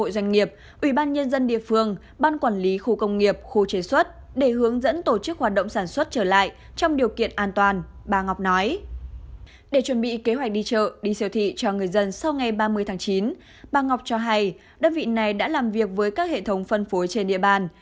để chuẩn bị kế hoạch đi chợ đi siêu thị cho người dân sau ngày ba mươi tháng chín bà ngọc cho hay đơn vị này đã làm việc với các hệ thống phân phối trên địa bàn